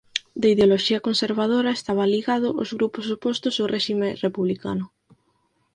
De ideoloxía conservadora estaba ligado aos grupos opostos ao réxime republicano.